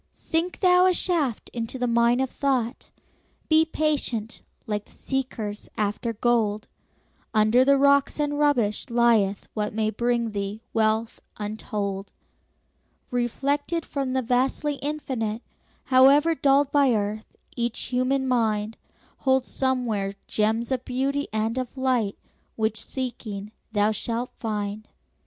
Sink thou a shaft into the mine of thought; Be patient, like the seekers after gold; Under the rocks and rubbish lieth what May bring thee wealth untold. Reflected from the vastly Infinite, However dulled by earth, each human mind Holds somewhere gems of beauty and of light Which, seeking, thou shalt find.